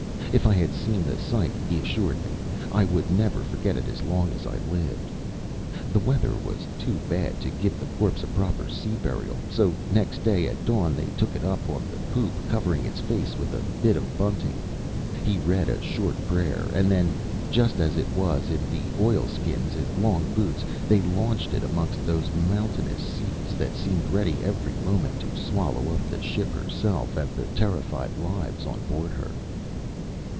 If I had seen the sight, he assured me, I would never forget it as long as I lived. The weather was too bad to give the corpse a proper sea burial. So next day at dawn they took it up on the poop, covering its face with a bit of bunting; he read a short prayer, and then, just as it was, in its oilskins and long boots, they launched it amongst those mountainous seas that seemed ready every moment to swallow up the ship herself and the terrified lives on board of her.